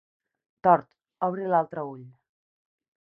Tort, obri l'altre ull.